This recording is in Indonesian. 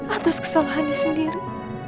atas kesalahannya sendiri